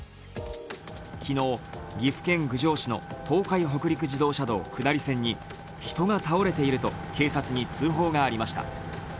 昨日、岐阜県郡上市の東海北陸自動車道下り線に人が倒れていると警察に通報がありました。